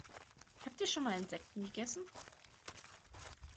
Habt ihr schon mal Insekten gegessen?